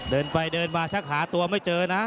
เดินไปเดินมาชักหาตัวไม่เจอนะ